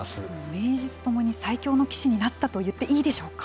名実ともに最強の棋士になったと言っていいでしょうか。